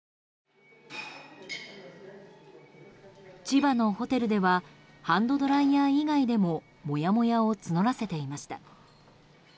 千葉のホテルではハンドドライヤー以外でももやもやを募らせていました。